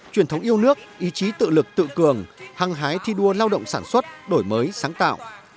truyền thống yêu nước ý chí tự lực tự cường hăng hái thi đua lao động sản xuất đổi mới sáng tạo